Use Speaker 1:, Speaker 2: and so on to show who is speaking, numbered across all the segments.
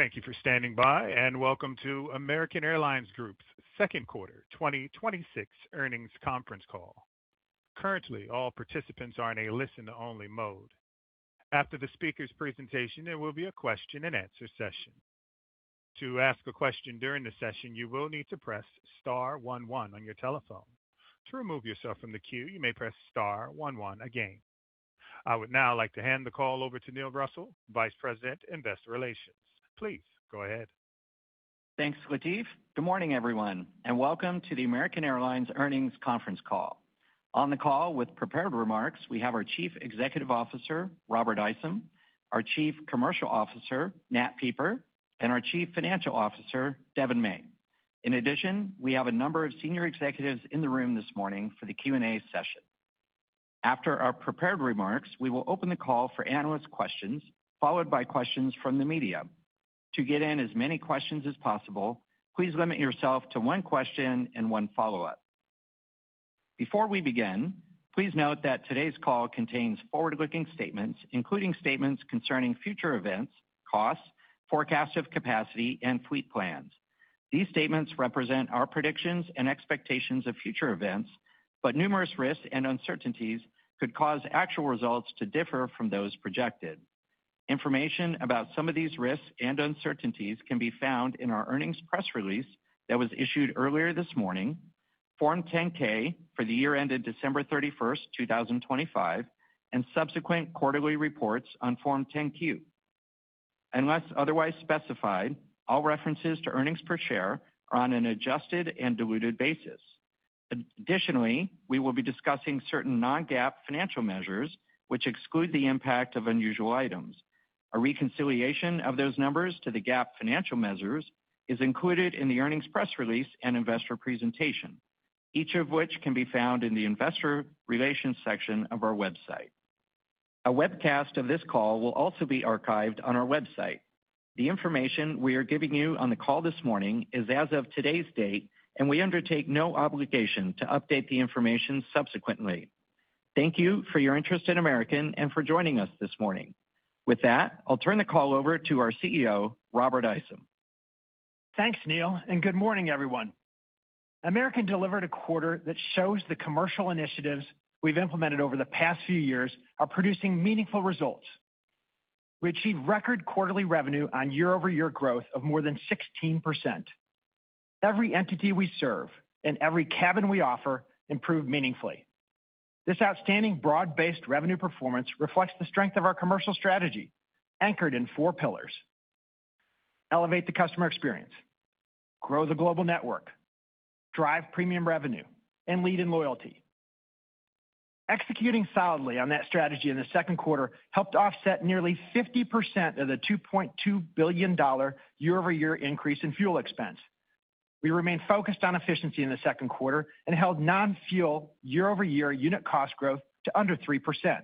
Speaker 1: Thank you for standing by. Welcome to American Airlines Group's second quarter 2026 earnings conference call. Currently, all participants are in a listen-only mode. After the speaker's presentation, there will be a question-and-answer session. To ask a question during the session, you will need to press star one one on your telephone. To remove yourself from the queue, you may press star one one again. I would now like to hand the call over to Neil Russell, Vice President, Investor Relations. Please go ahead.
Speaker 2: Thanks, Latif. Good morning, everyone. Welcome to the American Airlines earnings conference call. On the call with prepared remarks, we have our Chief Executive Officer, Robert Isom, our Chief Commercial Officer, Nat Pieper, and our Chief Financial Officer, Devon May. We have a number of senior executives in the room this morning for the Q&A session. After our prepared remarks, we will open the call for analyst questions, followed by questions from the media. To get in as many questions as possible, please limit yourself to one question and one follow-up. Before we begin, please note that today's call contains forward-looking statements, including statements concerning future events, costs, forecasts of capacity, and fleet plans. These statements represent our predictions and expectations of future events. Numerous risks and uncertainties could cause actual results to differ from those projected. Information about some of these risks and uncertainties can be found in our earnings press release that was issued earlier this morning, Form 10-K for the year ended December 31st, 2025, and subsequent quarterly reports on Form 10-Q. Unless otherwise specified, all references to earnings per share are on an adjusted and diluted basis. We will be discussing certain non-GAAP financial measures which exclude the impact of unusual items. A reconciliation of those numbers to the GAAP financial measures is included in the earnings press release and investor presentation, each of which can be found in the investor relations section of our website. A webcast of this call will also be archived on our website. The information we are giving you on the call this morning is as of today's date. We undertake no obligation to update the information subsequently. Thank you for your interest in American Airlines and for joining us this morning. With that, I'll turn the call over to our CEO, Robert Isom.
Speaker 3: Thanks, Neil, and good morning, everyone. American Airlines delivered a quarter that shows the commercial initiatives we've implemented over the past few years are producing meaningful results. We achieved record quarterly revenue on year-over-year growth of more than 16%. Every entity we serve and every cabin we offer improved meaningfully. This outstanding broad-based revenue performance reflects the strength of our commercial strategy, anchored in four pillars: Elevate the Customer Experience, Grow the Global Network, Drive Premium Revenue, and Lead in Loyalty. Executing solidly on that strategy in the second quarter helped offset nearly 50% of the $2.2 billion year-over-year increase in fuel expense. We remain focused on efficiency in the second quarter and held non-fuel year-over-year unit cost growth to under 3%.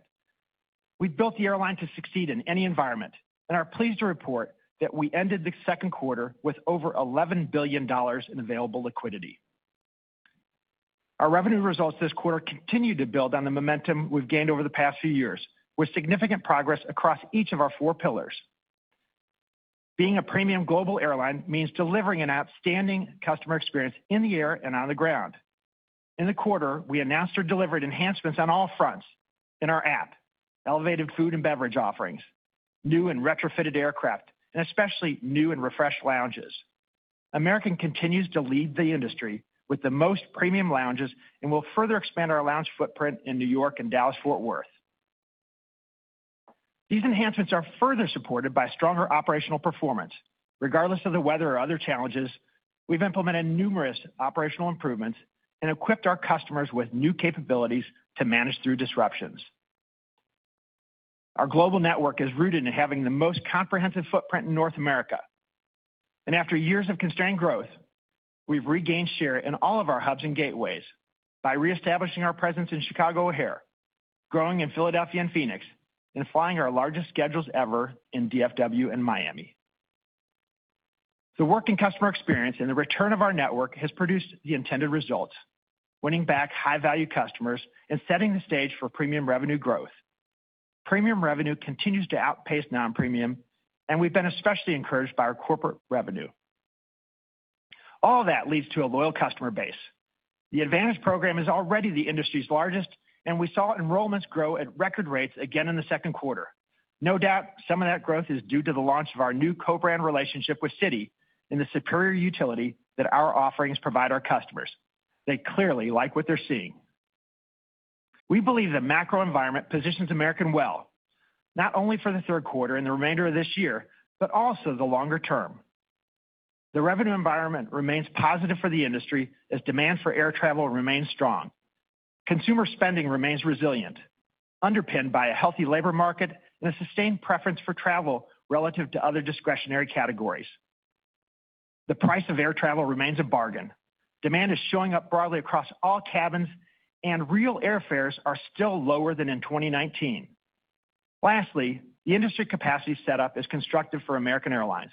Speaker 3: We've built the airline to succeed in any environment and are pleased to report that we ended the second quarter with over $11 billion in available liquidity. Our revenue results this quarter continued to build on the momentum we've gained over the past few years, with significant progress across each of our four pillars. Being a premium global airline means delivering an outstanding customer experience in the air and on the ground. In the quarter, we announced or delivered enhancements on all fronts in our app, elevated food and beverage offerings, new and retrofitted aircraft, and especially new and refreshed lounges. American Airlines continues to lead the industry with the most premium lounges and will further expand our lounge footprint in New York and Dallas-Fort Worth. These enhancements are further supported by stronger operational performance. Regardless of the weather or other challenges, we've implemented numerous operational improvements and equipped our customers with new capabilities to manage through disruptions. Our global network is rooted in having the most comprehensive footprint in North America. After years of constrained growth, we've regained share in all of our hubs and gateways by reestablishing our presence in Chicago O'Hare, growing in Philadelphia and Phoenix, and flying our largest schedules ever in DFW and Miami. The work in customer experience and the return of our network has produced the intended results, winning back high-value customers and setting the stage for premium revenue growth. Premium revenue continues to outpace non-premium, and we've been especially encouraged by our corporate revenue. All that leads to a loyal customer base. The AAdvantage program is already the industry's largest, and we saw enrollments grow at record rates again in the second quarter. No doubt some of that growth is due to the launch of our new co-brand relationship with Citi and the superior utility that our offerings provide our customers. They clearly like what they're seeing. We believe the macro environment positions American Airlines well, not only for the third quarter and the remainder of this year, but also the longer term. The revenue environment remains positive for the industry as demand for air travel remains strong. Consumer spending remains resilient, underpinned by a healthy labor market and a sustained preference for travel relative to other discretionary categories. The price of air travel remains a bargain. Demand is showing up broadly across all cabins, and real airfares are still lower than in 2019. Lastly, the industry capacity setup is constructive for American Airlines.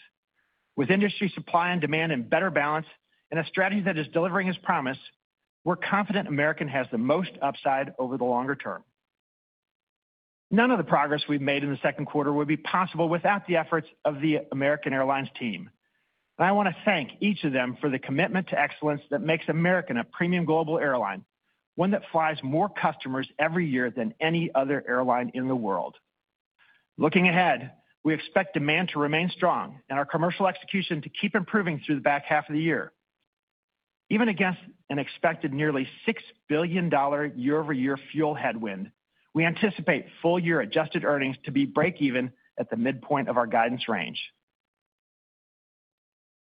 Speaker 3: With industry supply and demand in better balance and a strategy that is delivering its promise, we're confident American Airlines has the most upside over the longer term. None of the progress we've made in the second quarter would be possible without the efforts of the American Airlines team. I want to thank each of them for the commitment to excellence that makes American a premium global airline, one that flies more customers every year than any other airline in the world. Looking ahead, we expect demand to remain strong and our commercial execution to keep improving through the back half of the year. Even against an expected nearly $6 billion year-over-year fuel headwind, we anticipate full-year adjusted earnings to be breakeven at the midpoint of our guidance range.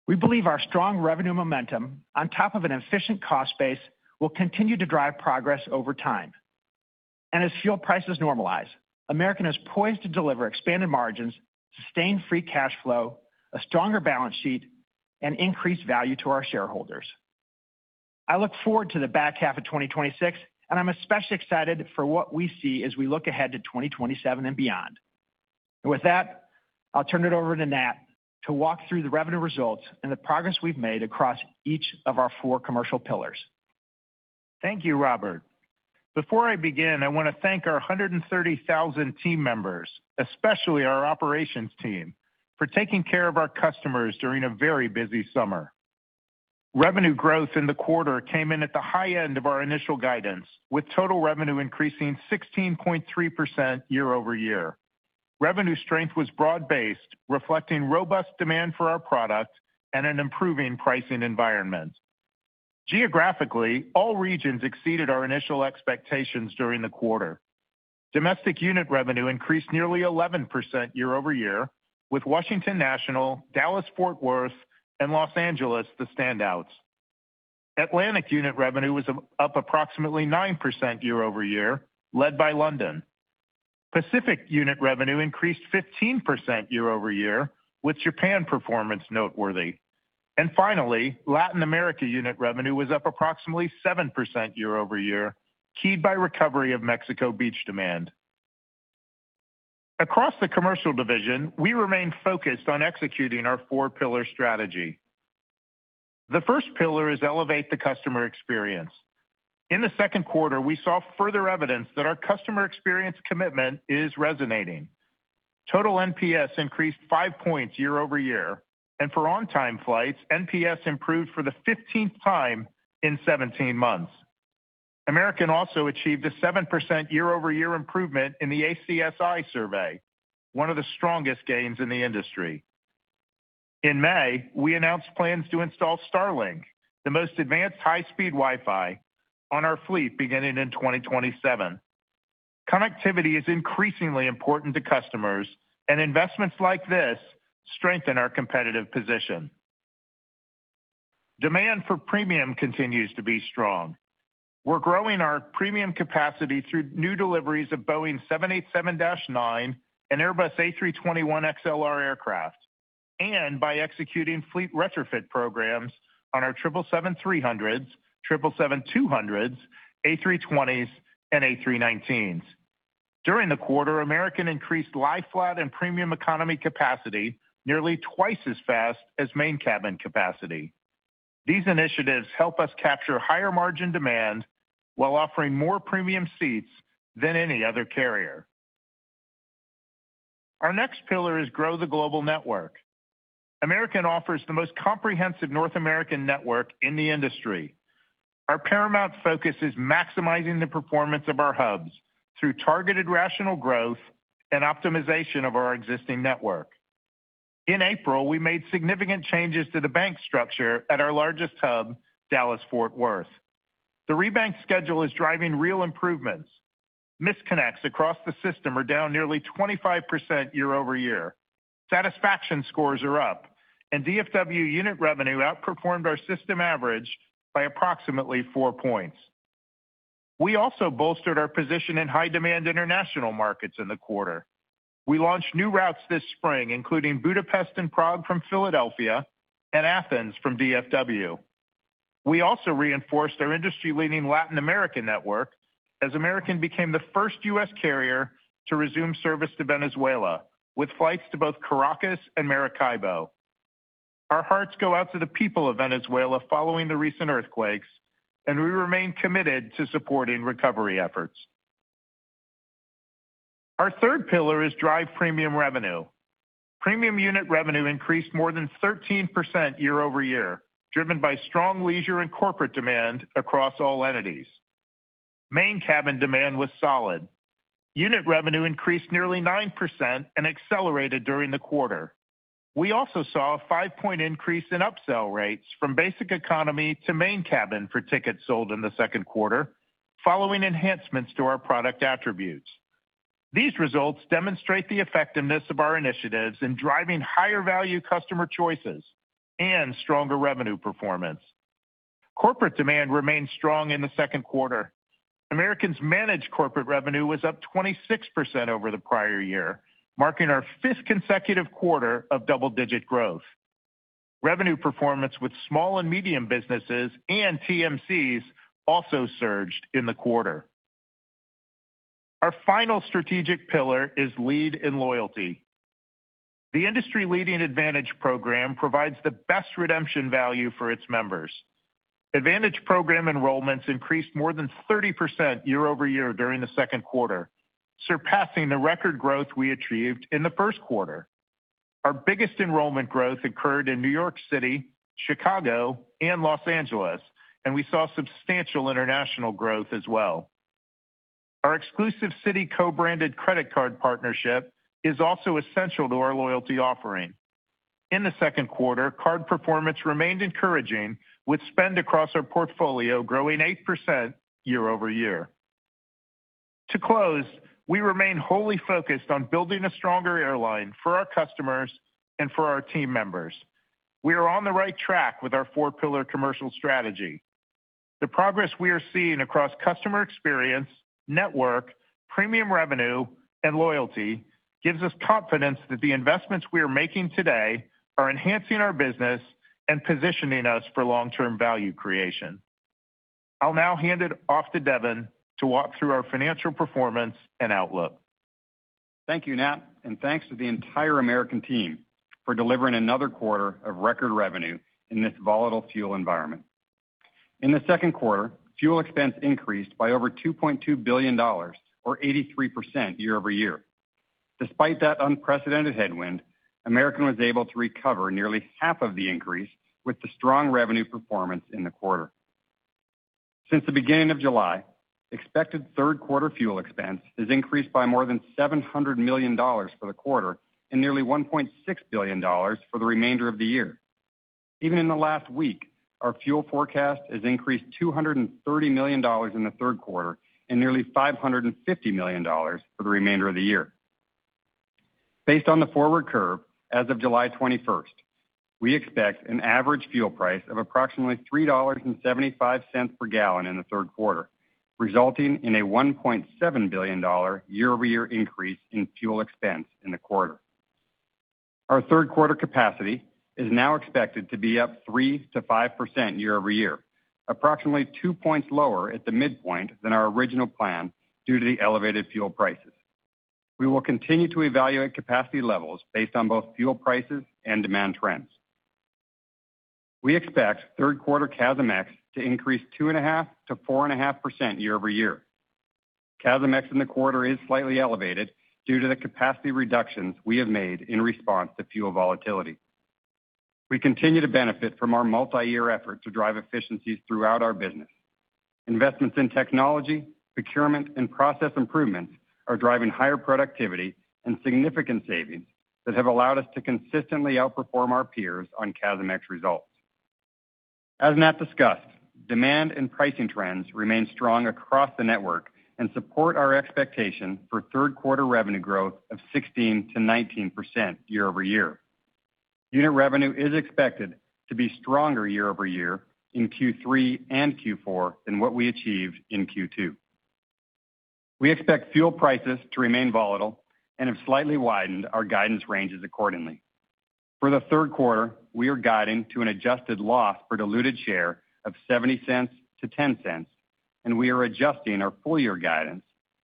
Speaker 3: We believe our strong revenue momentum, on top of an efficient cost base, will continue to drive progress over time. As fuel prices normalize, American is poised to deliver expanded margins, sustained free cash flow, a stronger balance sheet, and increased value to our shareholders. I look forward to the back half of 2026, and I'm especially excited for what we see as we look ahead to 2027 and beyond. With that, I'll turn it over to Nat to walk through the revenue results and the progress we've made across each of our four commercial pillars.
Speaker 4: Thank you, Robert. Before I begin, I want to thank our 130,000 team members, especially our operations team, for taking care of our customers during a very busy summer. Revenue growth in the quarter came in at the high end of our initial guidance, with total revenue increasing 16.3% year-over-year. Revenue strength was broad-based, reflecting robust demand for our product and an improving pricing environment. Geographically, all regions exceeded our initial expectations during the quarter. Domestic unit revenue increased nearly 11% year-over-year with Washington National, Dallas-Fort Worth, and Los Angeles the standouts. Atlantic unit revenue was up approximately 9% year-over-year, led by London. Pacific unit revenue increased 15% year-over-year with Japan performance noteworthy. Finally, Latin America unit revenue was up approximately 7% year-over-year, keyed by recovery of Mexico Beach demand. Across the commercial division, we remain focused on executing our four-pillar strategy. The first pillar is elevate the customer experience. In the second quarter, we saw further evidence that our customer experience commitment is resonating. Total NPS increased 5 points year-over-year, and for on-time flights, NPS improved for the 15th time in 17 months. American also achieved a 7% year-over-year improvement in the ACSI survey, one of the strongest gains in the industry. In May, we announced plans to install Starlink, the most advanced high-speed Wi-Fi, on our fleet beginning in 2027. Connectivity is increasingly important to customers, and investments like this strengthen our competitive position. Demand for premium continues to be strong. We're growing our premium capacity through new deliveries of Boeing 787-9 and Airbus A321XLR aircraft, and by executing fleet retrofit programs on our 777-300ER, 777-200ER, Airbus A320s, and Airbus A319s. During the quarter, American increased lie-flat and premium economy capacity nearly twice as fast as Main Cabin capacity. These initiatives help us capture higher-margin demand while offering more premium seats than any other carrier. Our next pillar is grow the global network. American Airlines offers the most comprehensive North American network in the industry. Our paramount focus is maximizing the performance of our hubs through targeted rational growth and optimization of our existing network. In April, we made significant changes to the bank structure at our largest hub, Dallas-Fort Worth. The rebank schedule is driving real improvements. Misconnects across the system are down nearly 25% year-over-year. Satisfaction scores are up, and DFW unit revenue outperformed our system average by approximately four points. We also bolstered our position in high-demand international markets in the quarter. We launched new routes this spring including Budapest and Prague from Philadelphia, and Athens from DFW. We also reinforced our industry-leading Latin American network as American Airlines became the first U.S. carrier to resume service to Venezuela with flights to both Caracas and Maracaibo. Our hearts go out to the people of Venezuela following the recent earthquakes, and we remain committed to supporting recovery efforts. Our third pillar is drive premium revenue. Premium unit revenue increased more than 13% year-over-year, driven by strong leisure and corporate demand across all entities. Main Cabin demand was solid. Unit revenue increased nearly 9% and accelerated during the quarter. We also saw a 5-point increase in upsell rates from basic economy to Main Cabin for tickets sold in the second quarter following enhancements to our product attributes. These results demonstrate the effectiveness of our initiatives in driving higher value customer choices and stronger revenue performance. Corporate demand remained strong in the second quarter. American Airlines' managed corporate revenue was up 26% over the prior year, marking our fifth consecutive quarter of double-digit growth. Revenue performance with small and medium businesses and TMCs also surged in the quarter. Our final strategic pillar is lead in loyalty. The industry-leading AAdvantage program provides the best redemption value for its members. AAdvantage program enrollments increased more than 30% year-over-year during the second quarter, surpassing the record growth we achieved in the first quarter. Our biggest enrollment growth occurred in New York City, Chicago, and Los Angeles, and we saw substantial international growth as well. Our exclusive Citi co-branded credit card partnership is also essential to our loyalty offering. In the second quarter, card performance remained encouraging with spend across our portfolio growing 8% year-over-year. To close, we remain wholly focused on building a stronger airline for our customers and for our team members. We are on the right track with our four-pillar commercial strategy. The progress we are seeing across customer experience, network, premium revenue, and loyalty gives us confidence that the investments we are making today are enhancing our business and positioning us for long-term value creation. I'll now hand it off to Devon to walk through our financial performance and outlook.
Speaker 5: Thank you, Nat, and thanks to the entire American team for delivering another quarter of record revenue in this volatile fuel environment. In the second quarter, fuel expense increased by over $2.2 billion or 83% year-over-year. Despite that unprecedented headwind, American was able to recover nearly half of the increase with the strong revenue performance in the quarter. Since the beginning of July, expected third quarter fuel expense has increased by more than $700 million for the quarter and nearly $1.6 billion for the remainder of the year. Even in the last week, our fuel forecast has increased $230 million in the third quarter and nearly $550 million for the remainder of the year. Based on the forward curve as of July 21st, we expect an average fuel price of approximately $3.75 per gallon in the third quarter, resulting in a $1.7 billion year-over-year increase in fuel expense in the quarter. Our third quarter capacity is now expected to be up 3%-5% year-over-year, approximately two points lower at the midpoint than our original plan due to the elevated fuel prices. We will continue to evaluate capacity levels based on both fuel prices and demand trends. We expect third quarter CASM-ex to increase 2.5%-4.5% year-over-year. CASM-ex in the quarter is slightly elevated due to the capacity reductions we have made in response to fuel volatility. We continue to benefit from our multi-year effort to drive efficiencies throughout our business. Investments in technology, procurement, and process improvements are driving higher productivity and significant savings that have allowed us to consistently outperform our peers on CASM-ex results. As Nat discussed, demand and pricing trends remain strong across the network and support our expectation for third quarter revenue growth of 16%-19% year-over-year. Unit revenue is expected to be stronger year-over-year in Q3 and Q4 than what we achieved in Q2. We expect fuel prices to remain volatile and have slightly widened our guidance ranges accordingly. For the third quarter, we are guiding to an adjusted loss per diluted share of $0.70 to $0.10, and we are adjusting our full year guidance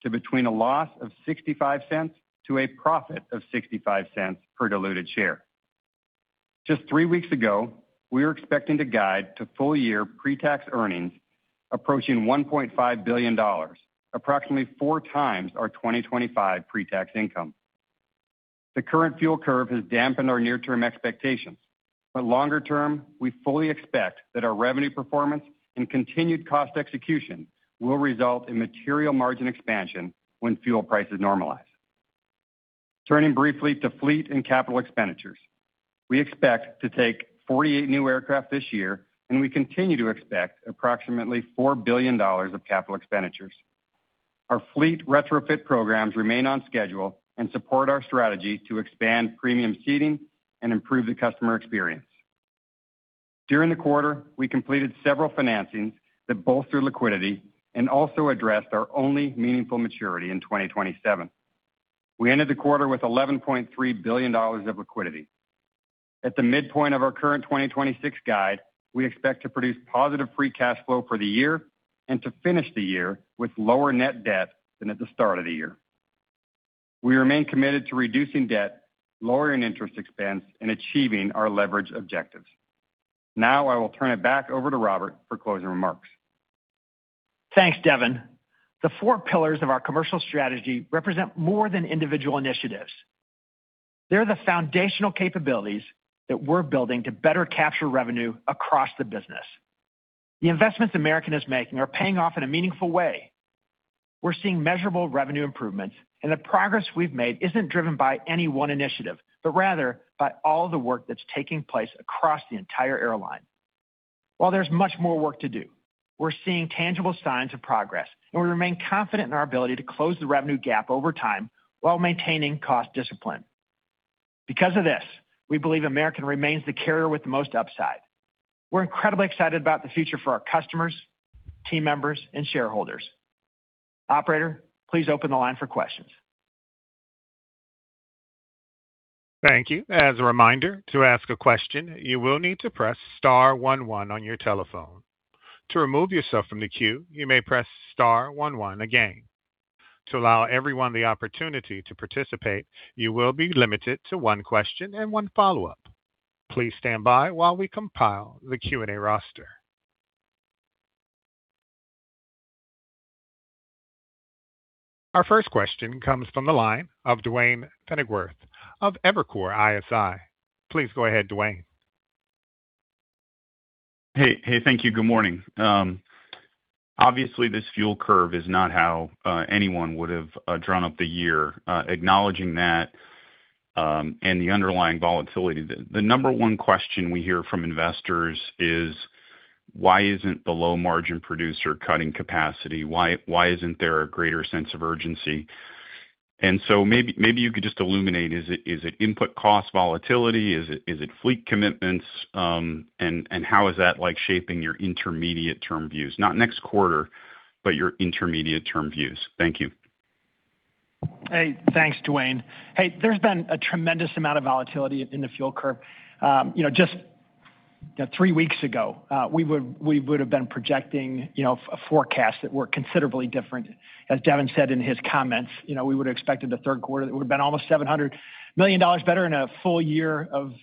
Speaker 5: to between a loss of $0.65 to a profit of $0.65 per diluted share. Just three weeks ago, we were expecting to guide to full-year pre-tax earnings approaching $1.5 billion, approximately four times our 2025 pre-tax income. The current fuel curve is near term expectation. Longer term, we fully expect that our revenue performance and continued cost execution will result in material margin expansion when fuel prices normalize. Turning briefly to fleet and capital expenditures, we expect to take 48 new aircraft this year, and we continue to expect approximately $4 billion of capital expenditures. Our fleet retrofit programs remain on schedule and support our strategy to expand premium seating and improve the customer experience. During the quarter, we completed several financings that bolstered liquidity and also addressed our only meaningful maturity in 2027. We ended the quarter with $11.3 billion of liquidity. At the midpoint of our current 2026 guide, we expect to produce positive free cash flow for the year and to finish the year with lower net debt than at the start of the year. We remain committed to reducing debt, lowering interest expense, and achieving our leverage objectives. Now, I will turn it back over to Robert for closing remarks.
Speaker 3: Thanks, Devon. The four pillars of our commercial strategy represent more than individual initiatives. They're the foundational capabilities that we're building to better capture revenue across the business. The investments American Airlines is making are paying off in a meaningful way. We're seeing measurable revenue improvements. The progress we've made isn't driven by any one initiative, but rather by all the work that's taking place across the entire airline. While there's much more work to do, we're seeing tangible signs of progress. We remain confident in our ability to close the revenue gap over time while maintaining cost discipline. Because of this, we believe American Airlines remains the carrier with the most upside. We're incredibly excited about the future for our customers, team members, and shareholders. Operator, please open the line for questions.
Speaker 1: Thank you. As a reminder, to ask a question, you will need to press star one one on your telephone. To remove yourself from the queue, you may press star one one again. To allow everyone the opportunity to participate, you will be limited to one question and one follow-up. Please stand by while we compile the Q&A roster. Our first question comes from the line of Duane Pfennigwerth of Evercore ISI. Please go ahead, Duane.
Speaker 6: Hey, thank you. Good morning. Obviously, this fuel curve is not how anyone would have drawn up the year. Acknowledging that and the underlying volatility, the number one question we hear from investors is why isn't the low-margin producer cutting capacity? Why isn't there a greater sense of urgency? Maybe you could just illuminate, is it input cost volatility? Is it fleet commitments? How is that shaping your intermediate term views? Not next quarter, but your intermediate term views. Thank you.
Speaker 3: Thanks, Duane. There's been a tremendous amount of volatility in the fuel curve. Just three weeks ago, we would've been projecting a forecast that were considerably different. As Devon said in his comments, we would've expected the third quarter that would've been almost $700 million better in a full year of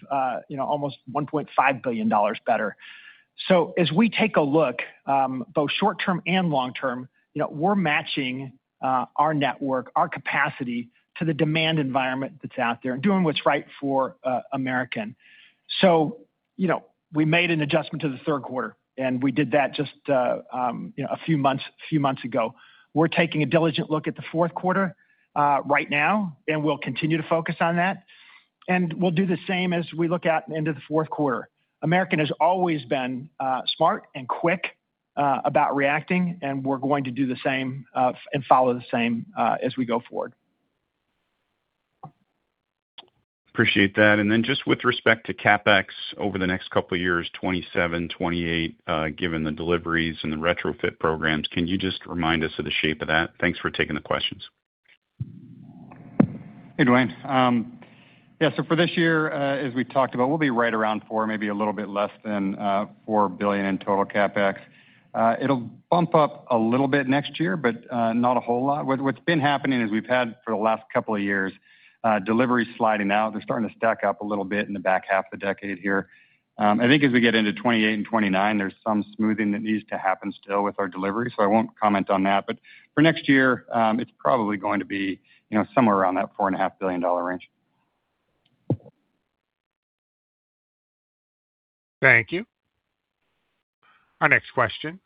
Speaker 3: almost $1.5 billion better. As we take a look, both short-term and long-term, we're matching our network, our capacity to the demand environment that's out there and doing what's right for American. We made an adjustment to the third quarter, and we did that just a few months ago. We're taking a diligent look at the fourth quarter right now, and we'll continue to focus on that. We'll do the same as we look out into the fourth quarter. American Airlines has always been smart and quick about reacting, we're going to do the same and follow the same as we go forward.
Speaker 6: Appreciate that. Just with respect to CapEx over the next couple of years, 2027, 2028, given the deliveries and the retrofit programs, can you just remind us of the shape of that? Thanks for taking the questions.
Speaker 5: Duane. For this year as we talked about, we'll be right around four, maybe a little bit less than $4 billion in total CapEx. It'll bump up a little bit next year, but not a whole lot. What's been happening is we've had for the last couple of years, deliveries sliding out. They're starting to stack up a little bit in the back half of the decade here. I think as we get into 2028 and 2029, there's some smoothing that needs to happen still with our delivery, so I won't comment on that. For next year, it's probably going to be somewhere around that $4.5 billion range.
Speaker 1: Thank you. Our next question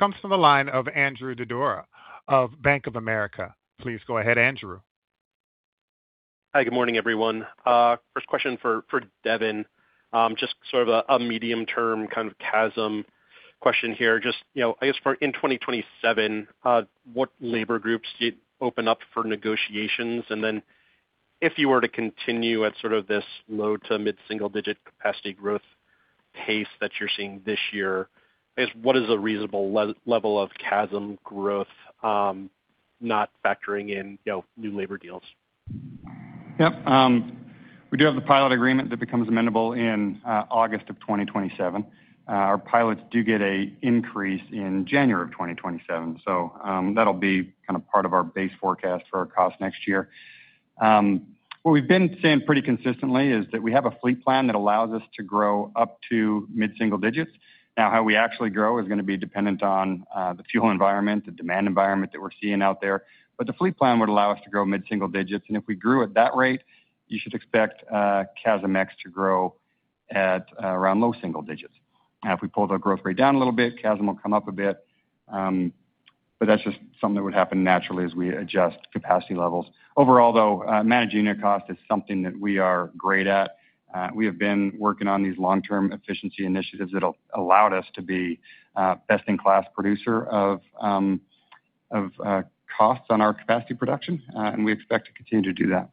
Speaker 1: comes from the line of Andrew Didora of Bank of America. Please go ahead, Andrew.
Speaker 7: Hi, good morning, everyone. First question for Devon. Just sort of a medium-term kind of CASM question here. Just, I guess for in 2027, what labor groups do you open up for negotiations? If you were to continue at sort of this low to mid-single-digit capacity growth pace that you're seeing this year, I guess what is a reasonable level of CASM growth, not factoring in new labor deals?
Speaker 5: Yep. We do have the pilot agreement that becomes amendable in August of 2027. Our pilots do get an increase in January of 2027. That'll be kind of part of our base forecast for our cost next year. What we've been saying pretty consistently is that we have a fleet plan that allows us to grow up to mid-single digits. How we actually grow is going to be dependent on the fuel environment, the demand environment that we're seeing out there. The fleet plan would allow us to grow mid-single digits, and if we grew at that rate, you should expect CASM-ex to grow at around low single digits. If we pull the growth rate down a little bit, CASM will come up a bit. That's just something that would happen naturally as we adjust capacity levels. Overall, though, managing our cost is something that we are great at. We have been working on these long-term efficiency initiatives that allowed us to be best-in-class producer of costs on our capacity production. We expect to continue to do that.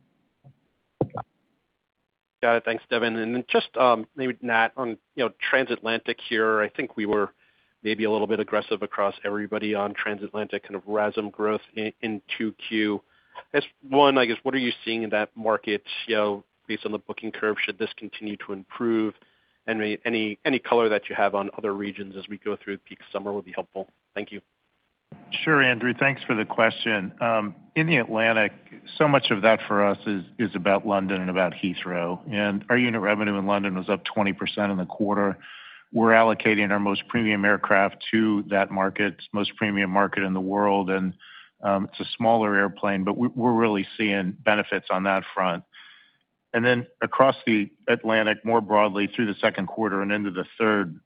Speaker 7: Got it. Thanks, Devon. Just, maybe Nat, on transatlantic here, I think we were maybe a little bit aggressive across everybody on transatlantic kind of RASM growth in 2Q. As one, I guess, what are you seeing in that market based on the booking curve? Should this continue to improve? Any color that you have on other regions as we go through peak summer would be helpful. Thank you.
Speaker 4: Sure, Andrew. Thanks for the question. In the Atlantic, so much of that for us is about London and about Heathrow. Our unit revenue in London was up 20% in the quarter. We're allocating our most premium aircraft to that market, most premium market in the world, and it's a smaller airplane, but we're really seeing benefits on that front. Across the Atlantic, more broadly through the second quarter and into the third,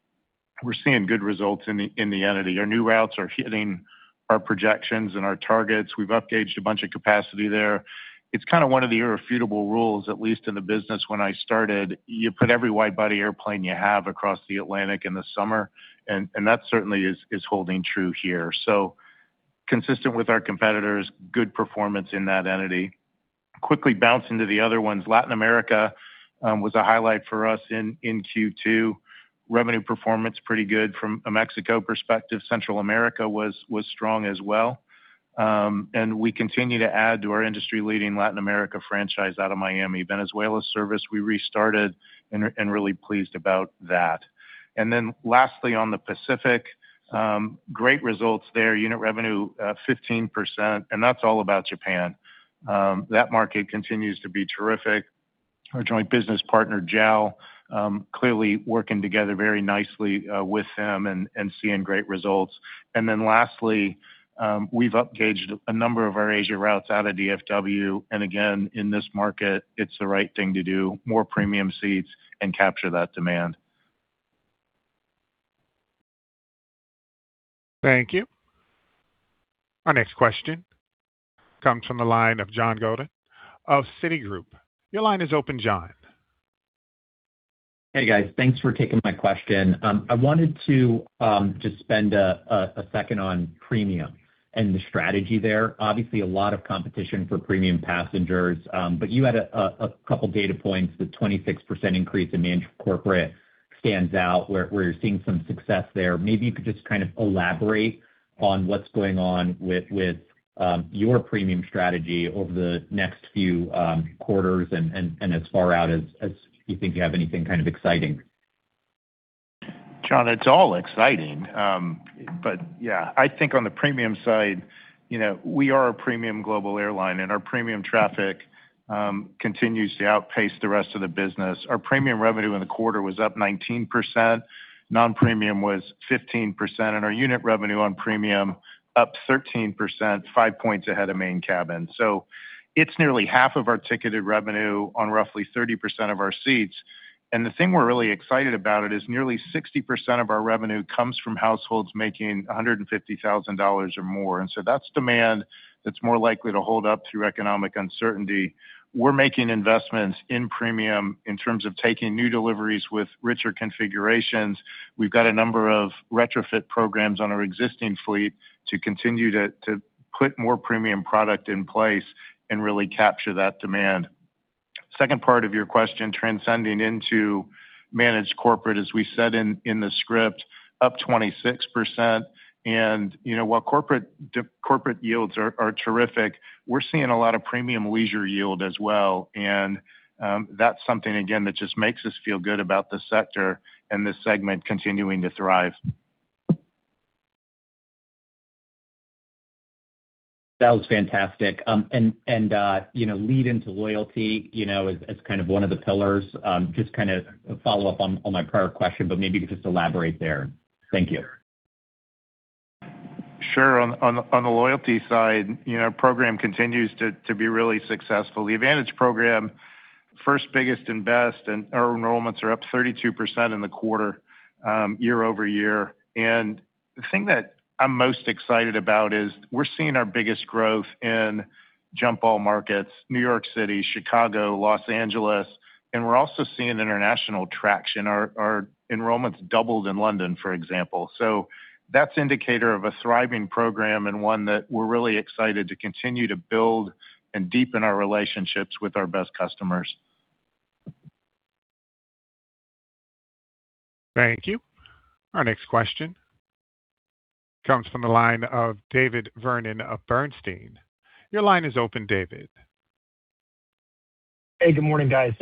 Speaker 4: we're seeing good results in the entity. Our new routes are hitting our projections and our targets. We've up-gauged a bunch of capacity there. It's kind of one of the irrefutable rules, at least in the business when I started, you put every wide-body airplane you have across the Atlantic in the summer, that certainly is holding true here. Consistent with our competitors, good performance in that entity. Quickly bounce into the other ones. Latin America was a highlight for us in Q2. Revenue performance pretty good from a Mexico perspective. Central America was strong as well. We continue to add to our industry-leading Latin America franchise out of Miami. Venezuela service, we restarted and really pleased about that. Lastly on the Pacific, great results there. Unit revenue up 15%, and that's all about Japan. That market continues to be terrific. Our joint business partner, JAL, clearly working together very nicely with them and seeing great results. Lastly, we've up-gauged a number of our Asia routes out of DFW, again, in this market, it's the right thing to do. More premium seats and capture that demand.
Speaker 1: Thank you. Our next question comes from the line of John Godyn of Citigroup. Your line is open, John.
Speaker 8: Hey, guys. Thanks for taking my question. I wanted to just spend a second on premium and the strategy there. Obviously, a lot of competition for premium passengers. You had a couple data points. The 26% increase in managed corporate stands out where you're seeing some success there. Maybe you could just kind of elaborate on what's going on with your premium strategy over the next few quarters and as far out as you think you have anything kind of exciting.
Speaker 4: John, it's all exciting. Yeah, I think on the premium side, we are a premium global airline, and our premium traffic continues to outpace the rest of the business. Our premium revenue in the quarter was up 19%, non-premium was 15%, and our unit revenue on premium up 13%, 5 points ahead of Main Cabin. It's nearly half of our ticketed revenue on roughly 30% of our seats. The thing we're really excited about it is nearly 60% of our revenue comes from households making $150,000 or more. That's demand that's more likely to hold up through economic uncertainty. We're making investments in premium in terms of taking new deliveries with richer configurations. We've got a number of retrofit programs on our existing fleet to continue to put more premium product in place and really capture that demand. Second part of your question, transcending into managed corporate, as we said in the script, up 26%. While corporate yields are terrific, we're seeing a lot of premium leisure yield as well, and that's something, again, that just makes us feel good about the sector and this segment continuing to thrive.
Speaker 8: That was fantastic. Lead into loyalty as one of the pillars. Just follow-up on my prior question, maybe just elaborate there. Thank you.
Speaker 4: Sure. On the loyalty side, our program continues to be really successful. The AAdvantage program, first, biggest, and best, and our enrollments are up 32% in the quarter year-over-year. The thing that I'm most excited about is we're seeing our biggest growth in jump-all markets, New York City, Chicago, Los Angeles, and we're also seeing international traction. Our enrollments doubled in London, for example. That's indicator of a thriving program and one that we're really excited to continue to build and deepen our relationships with our best customers.
Speaker 1: Thank you. Our next question comes from the line of David Vernon of Bernstein. Your line is open, David.
Speaker 9: Good morning, guys.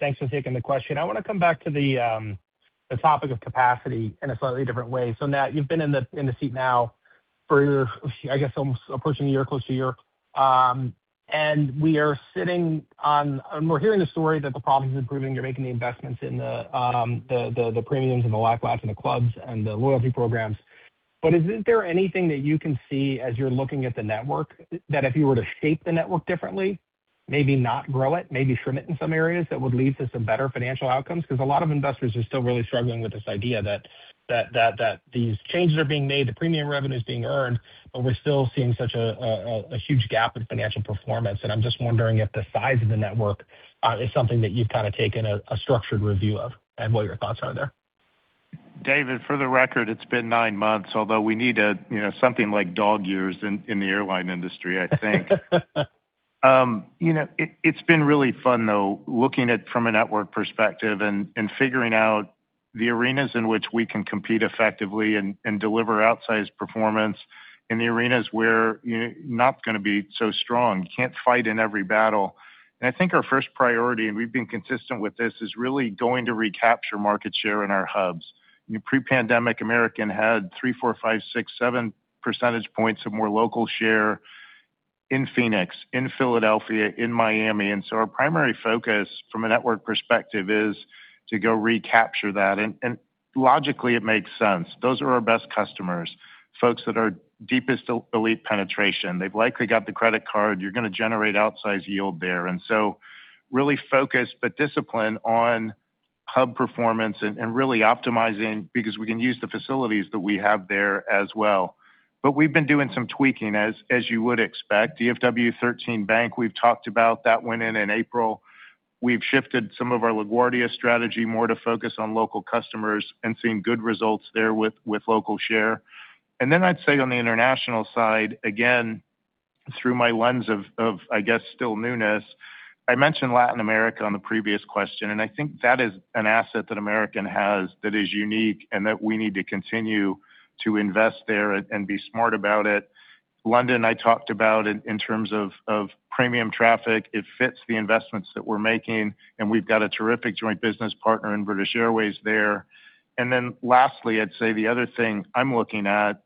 Speaker 9: Thanks for taking the question. I want to come back to the topic of capacity in a slightly different way. Now you've been in the seat now for, I guess almost approaching a year, close to a year. We're hearing the story that the problem is improving. You're making the investments in the premiums and the LOPAs and the clubs and the loyalty programs. Is there anything that you can see as you're looking at the network that if you were to shape the network differently, maybe not grow it, maybe trim it in some areas, that would lead to some better financial outcomes? A lot of investors are still really struggling with this idea that these changes are being made, the premium revenue is being earned, but we're still seeing such a huge gap in financial performance. I'm just wondering if the size of the network is something that you've kind of taken a structured review of and what your thoughts are there.
Speaker 4: David, for the record, it's been nine months, although we need something like dog years in the airline industry, I think. It's been really fun, though, looking at from a network perspective and figuring out the arenas in which we can compete effectively and deliver outsized performance in the arenas where you're not going to be so strong. You can't fight in every battle. I think our first priority, and we've been consistent with this, is really going to recapture market share in our hubs. Pre-pandemic, American Airlines had 3, 4, 5, 6, 7 percentage points of more local share in Phoenix, in Philadelphia, in Miami. Our primary focus from a network perspective is to go recapture that. Logically, it makes sense. Those are our best customers, folks that are deepest elite penetration. They've likely got the credit card. You're going to generate outsized yield there. Really focused, but disciplined on hub performance and really optimizing because we can use the facilities that we have there as well. We've been doing some tweaking, as you would expect. DFW 13 bank, we've talked about that went in in April. We've shifted some of our LaGuardia strategy more to focus on local customers and seeing good results there with local share. I'd say on the international side, again, through my lens of, I guess still newness, I mentioned Latin America on the previous question. I think that is an asset that American has that is unique and that we need to continue to invest there and be smart about it. London, I talked about in terms of premium traffic. It fits the investments that we're making, and we've got a terrific joint business partner in British Airways there. Lastly, I'd say the other thing I'm looking at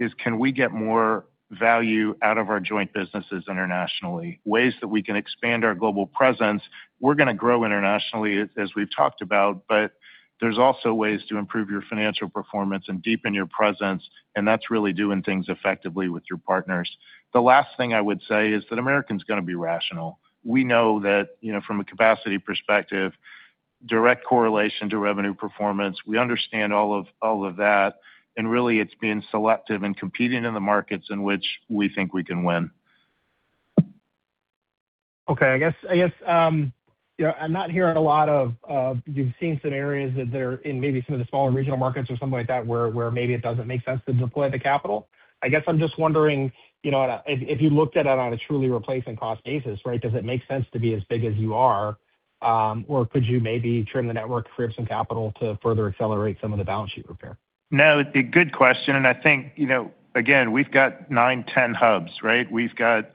Speaker 4: is can we get more value out of our joint businesses internationally, ways that we can expand our global presence. We're going to grow internationally, as we've talked about. There's also ways to improve your financial performance and deepen your presence, and that's really doing things effectively with your partners. The last thing I would say is that American's going to be rational. We know that from a capacity perspective, direct correlation to revenue performance, we understand all of that. Really it's being selective and competing in the markets in which we think we can win.
Speaker 9: Okay. I guess, I'm not hearing a lot of, you've seen some areas that are in maybe some of the smaller regional markets or something like that where maybe it doesn't make sense to deploy the capital. I guess I'm just wondering, if you looked at it on a truly replacement cost basis, right, does it make sense to be as big as you are? Could you maybe trim the network, free up some capital to further accelerate some of the balance sheet repair?
Speaker 4: I think, again, we've got nine, 10 hubs, right? We've got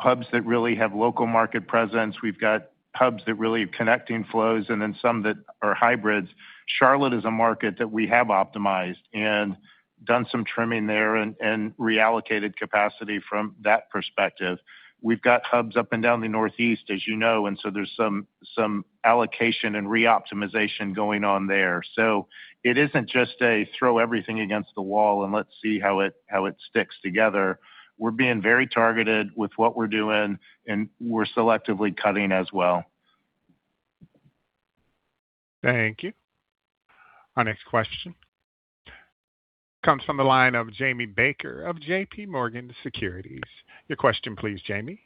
Speaker 4: hubs that really have local market presence. We've got hubs that really have connecting flows and then some that are hybrids. Charlotte is a market that we have optimized and done some trimming there and reallocated capacity from that perspective. We've got hubs up and down the Northeast, as you know, there's some allocation and re-optimization going on there. It isn't just a throw everything against the wall and let's see how it sticks together. We're being very targeted with what we're doing, and we're selectively cutting as well.
Speaker 1: Thank you. Our next question comes from the line of Jamie Baker of JPMorgan Securities. Your question please, Jamie.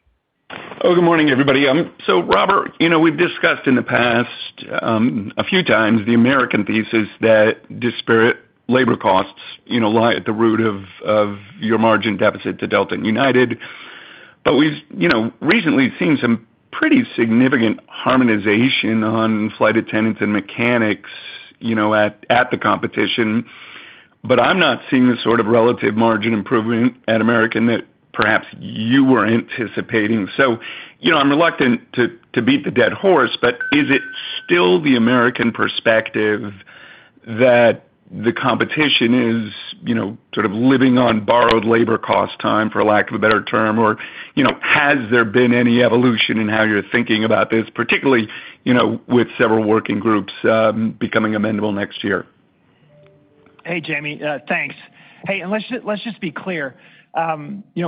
Speaker 10: Good morning, everybody. Robert, we've discussed in the past, a few times, the American Airlines thesis that disparate labor costs lie at the root of your margin deficit to Delta Air Lines and United Airlines. We've recently seen some pretty significant harmonization on flight attendants and mechanics at the competition. I'm not seeing the sort of relative margin improvement at American Airlines that perhaps you were anticipating. I'm reluctant to beat the dead horse, is it still the American Airlines perspective that the competition is sort of living on borrowed labor cost time, for lack of a better term? Has there been any evolution in how you're thinking about this, particularly, with several working groups becoming amendable next year?
Speaker 3: Jamie. Thanks. Let's just be clear.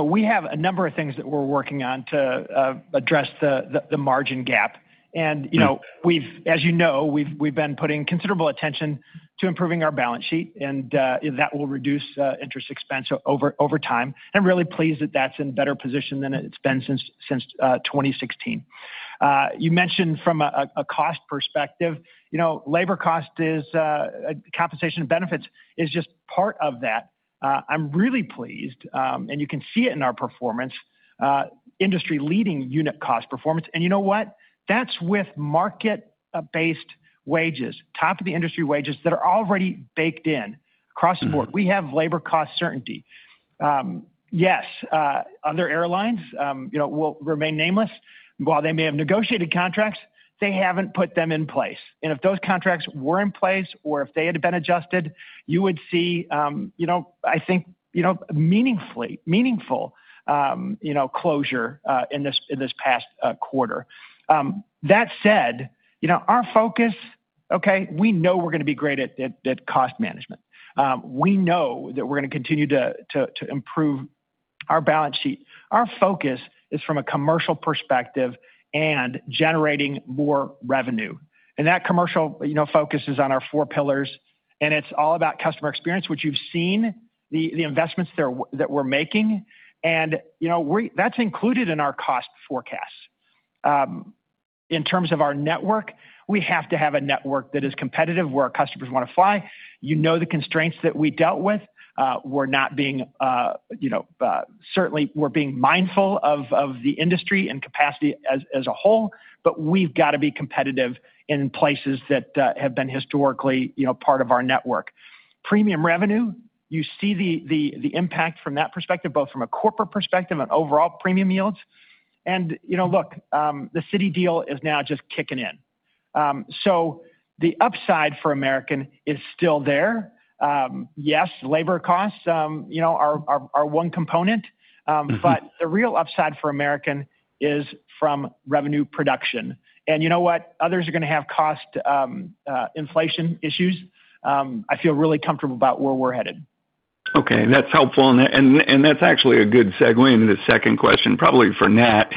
Speaker 3: We have a number of things that we're working on to address the margin gap.
Speaker 10: Right.
Speaker 3: As you know, we've been putting considerable attention to improving our balance sheet. That will reduce interest expense over time. Really pleased that that's in better position than it's been since 2016. You mentioned from a cost perspective, labor cost, compensation and benefits is just part of that. I'm really pleased, and you can see it in our performance, industry-leading unit cost performance. You know what? That's with market-based wages, top-of-the-industry wages that are already baked in across the board. We have labor cost certainty. Other airlines, will remain nameless. While they may have negotiated contracts, they haven't put them in place. If those contracts were in place or if they had been adjusted, you would see, I think, meaningful closure in this past quarter. That said, our focus, okay, we know we're going to be great at cost management. We know that we're going to continue to improve our balance sheet. Our focus is from a commercial perspective and generating more revenue. That commercial focus is on our four pillars, and it's all about customer experience, which you've seen the investments that we're making. That's included in our cost forecast. In terms of our network, we have to have a network that is competitive where our customers want to fly. You know the constraints that we dealt with. We're not being, certainly, we're being mindful of the industry and capacity as a whole, but we've got to be competitive in places that have been historically part of our network. Premium revenue, you see the impact from that perspective, both from a corporate perspective and overall premium yields. Look, the Citi deal is now just kicking in. The upside for American Airlines is still there. Labor costs are one component. The real upside for American Airlines is from revenue production. You know what? Others are going to have cost inflation issues. I feel really comfortable about where we're headed.
Speaker 10: Okay. That's helpful, that's actually a good segue into the second question, probably for Nat.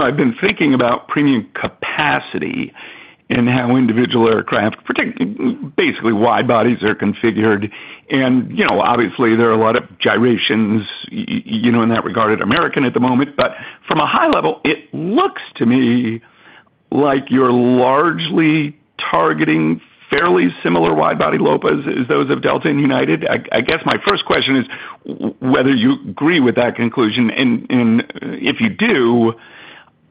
Speaker 10: I've been thinking about premium capacity and how individual aircraft, basically wide-bodies are configured. Obviously, there are a lot of gyrations in that regard at American Airlines at the moment. From a high level, it looks to me like you're largely targeting fairly similar wide-body LOPAs as those of Delta Air Lines and United Airlines. I guess my first question is whether you agree with that conclusion, if you do,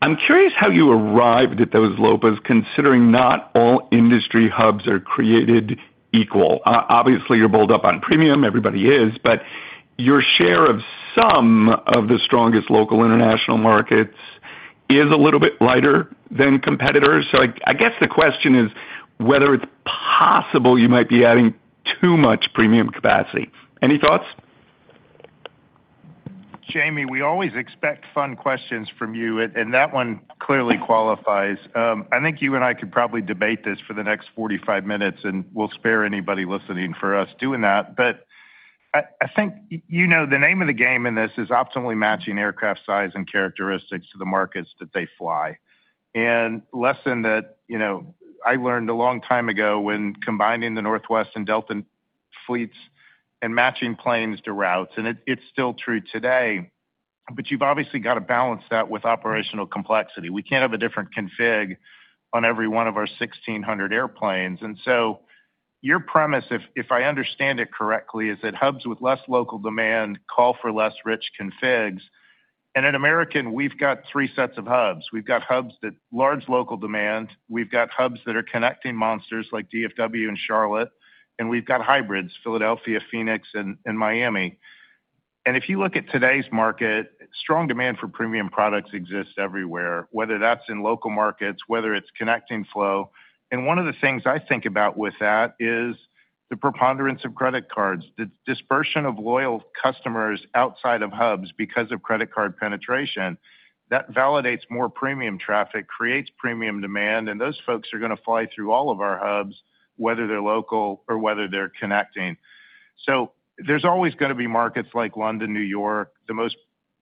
Speaker 10: I'm curious how you arrived at those LOPAs, considering not all industry hubs are created equal. Obviously, you're bulled up on premium. Everybody is. Your share of some of the strongest local international markets is a little bit lighter than competitors. I guess the question is whether it's possible you might be adding too much premium capacity. Any thoughts?
Speaker 4: Jamie, we always expect fun questions from you, that one clearly qualifies. I think you and I could probably debate this for the next 45 minutes, we'll spare anybody listening for us doing that. I think you know the name of the game in this is optimally matching aircraft size and characteristics to the markets that they fly. Lesson that I learned a long time ago when combining the Northwest Airlines and Delta Air Lines fleets and matching planes to routes, it's still true today, you've obviously got to balance that with operational complexity. We can't have a different config on every one of our 1,600 airplanes. Your premise, if I understand it correctly, is that hubs with less local demand call for less rich configs. At American Airlines, we've got three sets of hubs. We've got hubs that large local demand, we've got hubs that are connecting monsters like DFW and Charlotte, we've got hybrids, Philadelphia, Phoenix, and Miami. If you look at today's market, strong demand for premium products exists everywhere, whether that's in local markets, whether it's connecting flow. One of the things I think about with that is the preponderance of credit cards. The dispersion of loyal customers outside of hubs because of credit card penetration, that validates more premium traffic, creates premium demand, those folks are going to fly through all of our hubs, whether they're local or whether they're connecting. There's always going to be markets like London, New York, the most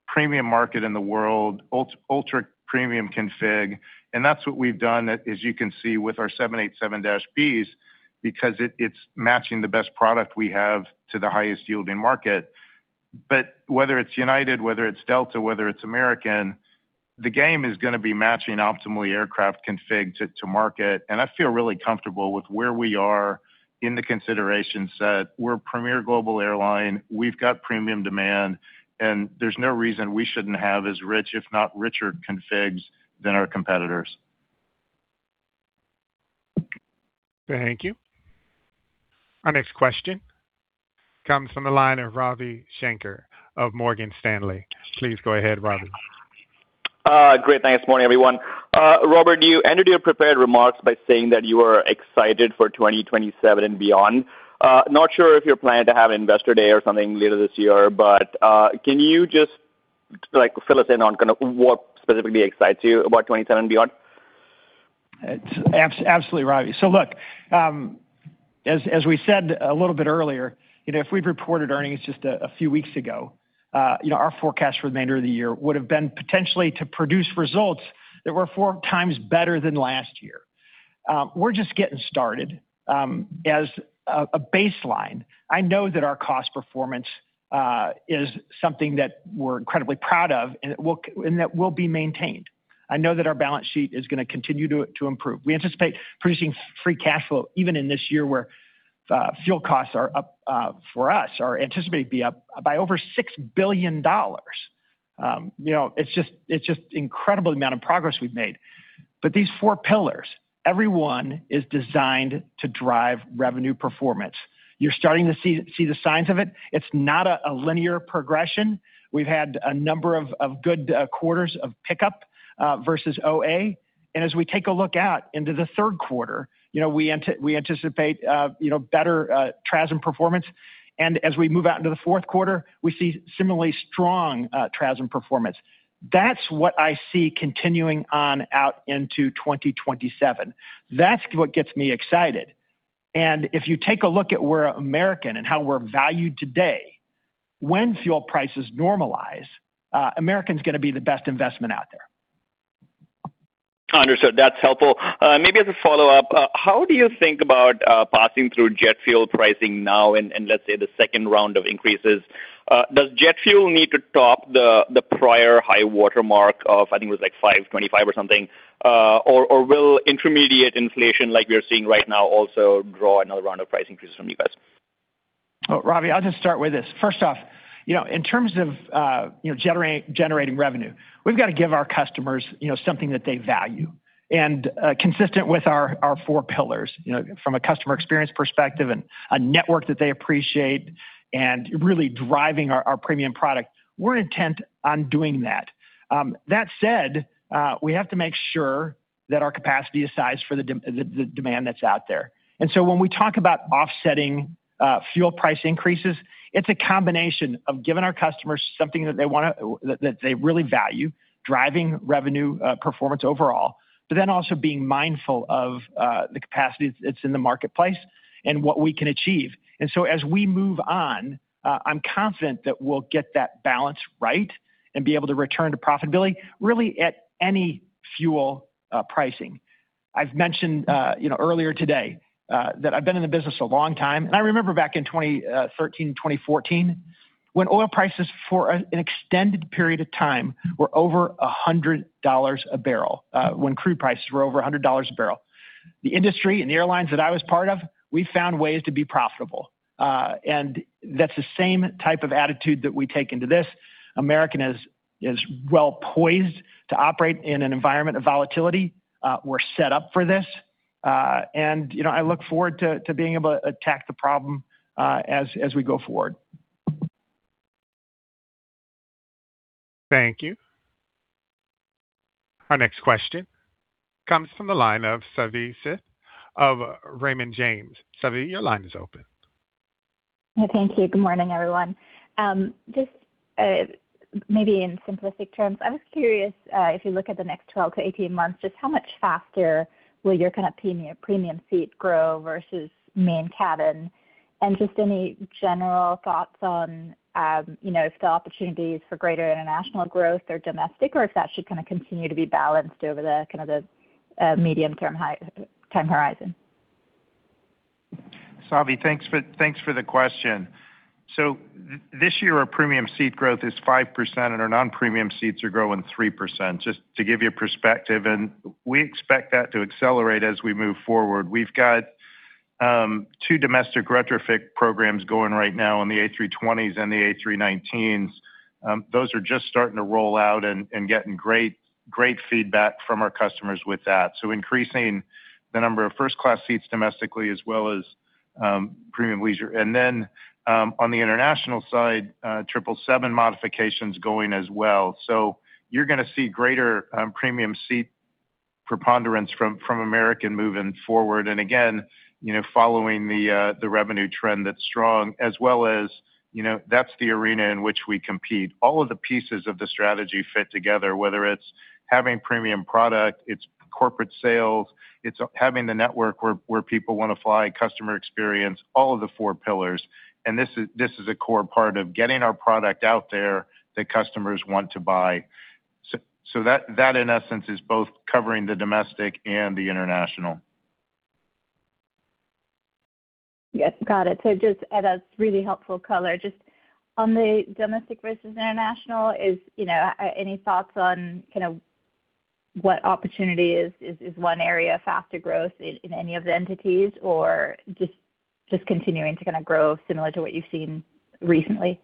Speaker 4: premium market in the world, ultra-premium config. That's what we've done as you can see with our 787-9s, because it's matching the best product we have to the highest-yielding market. Whether it's United Airlines, whether it's Delta Air Lines, whether it's American Airlines, the game is going to be matching optimally aircraft config to market. I feel really comfortable with where we are in the consideration set. We're a premier global airline. We've got premium demand, there's no reason we shouldn't have as rich, if not richer configs than our competitors.
Speaker 1: Thank you. Our next question comes from the line of Ravi Shanker of Morgan Stanley. Please go ahead, Ravi.
Speaker 11: Great. Thanks. Morning, everyone. Robert, you ended your prepared remarks by saying that you are excited for 2027 and beyond. Not sure if you're planning to have Investor Day or something later this year, can you just fill us in on what specifically excites you about 2027 and beyond?
Speaker 3: Absolutely, Ravi. Look, as we said a little bit earlier, if we'd reported earnings just a few weeks ago, our forecast for the remainder of the year would have been potentially to produce results that were 4x better than last year. We're just getting started. As a baseline, I know that our cost performance is something that we're incredibly proud of and that will be maintained. I know that our balance sheet is going to continue to improve. We anticipate producing free cash flow even in this year where fuel costs are up for us, are anticipated to be up by over $6 billion. It's just an incredible amount of progress we've made. These four pillars, every one is designed to drive revenue performance. You're starting to see the signs of it. It's not a linear progression. We've had a number of good quarters of pickup versus OA. As we take a look out into the third quarter, we anticipate better TRASM performance. As we move out into the fourth quarter, we see similarly strong TRASM performance. That's what I see continuing on out into 2027. That's what gets me excited. If you take a look at where American Airlines and how we're valued today, when fuel prices normalize, American's going to be the best investment out there.
Speaker 11: Understood. That's helpful. Maybe as a follow-up, how do you think about passing through jet fuel pricing now and let's say the second round of increases? Does jet fuel need to top the prior high watermark of, I think it was like $525 or something, or will intermediate inflation like we are seeing right now also draw another round of price increases from you guys?
Speaker 3: Ravi, I'll just start with this. First off, in terms of generating revenue, we've got to give our customers something that they value and consistent with our four pillars. From a customer experience perspective and a network that they appreciate and really driving our premium product, we're intent on doing that. That said, we have to make sure that our capacity is sized for the demand that's out there. When we talk about offsetting fuel price increases, it's a combination of giving our customers something that they really value, driving revenue performance overall, also being mindful of the capacity that's in the marketplace and what we can achieve. As we move on, I'm confident that we'll get that balance right and be able to return to profitability really at any fuel pricing. I've mentioned earlier today that I've been in the business a long time. I remember back in 2013, 2014, when oil prices for an extended period of time were over $100 a barrel, when crude prices were over $100 a barrel. The industry and the airlines that I was part of, we found ways to be profitable. That's the same type of attitude that we take into this. American is well-poised to operate in an environment of volatility. We're set up for this. I look forward to being able to attack the problem as we go forward.
Speaker 1: Thank you. Our next question comes from the line of Savi Syth of Raymond James. Savi, your line is open.
Speaker 12: Thank you. Good morning, everyone. Just maybe in simplistic terms, I was curious, if you look at the next 12-18 months, just how much faster will your kind of premium seat grow versus Main Cabin? Just any general thoughts on if the opportunities for greater international growth are domestic or if that should kind of continue to be balanced over the medium-term time horizon.
Speaker 4: Savi, thanks for the question. This year, our premium seat growth is 5%, our non-premium seats are growing 3%, just to give you a perspective. We expect that to accelerate as we move forward. We've got two domestic retrofit programs going right now on the A320s and the A319s. Those are just starting to roll out and getting great feedback from our customers with that. Increasing the number of first-class seats domestically as well as premium leisure. Then, on the international side, 777 modification's going as well. You're going to see greater premium seat preponderance from American Airlines moving forward. Again, following the revenue trend that's strong as well as that's the arena in which we compete. All of the pieces of the strategy fit together, whether it's having premium product, it's corporate sales, it's having the network where people want to fly, customer experience, all of the four pillars. This is a core part of getting our product out there that customers want to buy. That, in essence, is both covering the domestic and the international.
Speaker 12: Yes. Got it. Just add a really helpful color just on the domestic versus international is, any thoughts on what opportunity is one area of faster growth in any of the entities or just continuing to kind of grow similar to what you've seen recently?